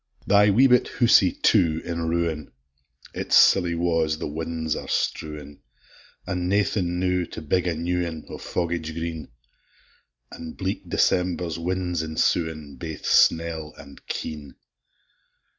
Thy wee bit housie, too, in ruin; Its silly wa's the win's are strewin'! An' naething, now, to big a new ane, O' foggage green! An' bleak December's winds ensuin', Baith snell and keen!